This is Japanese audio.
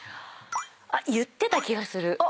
言ってた気がする。